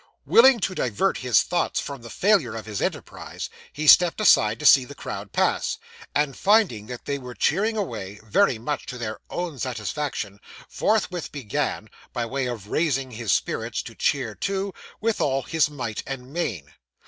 Willing to divert his thoughts from the failure of his enterprise, he stepped aside to see the crowd pass; and finding that they were cheering away, very much to their own satisfaction, forthwith began (by way of raising his spirits) to cheer too, with all his might and main.